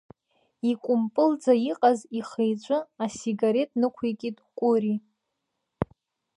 Икәымпылӡа иҟаз ихы-иҿы асигарет нықәикит Кәыри.